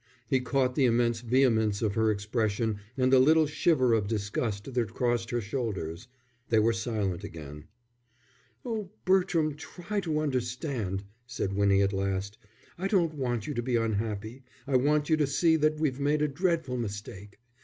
He caught the immense vehemence of her expression and the little shiver of disgust that crossed her shoulders. They were silent again. "Oh, Bertram, try to understand," said Winnie, at last. "I don't want you to be unhappy, I want you to see that we've made a dreadful mistake.